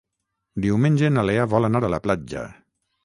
Diumenge na Lea vol anar a la platja.